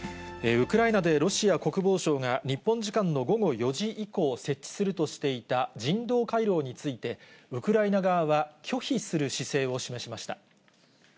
ウクライナで、ロシア国防省が日本時間の午後４時以降、設置するとしていた人道回廊について、ウクライナ側は拒否する姿勢を示しました。